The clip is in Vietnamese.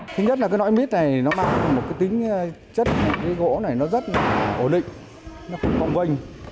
thứ nhất là cái loại mít này nó mang một cái tính chất cái gỗ này nó rất là ổn định nó không cong vanh